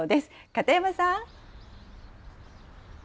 片山さん。